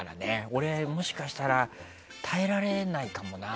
俺、もしかしたら耐えられないかもな。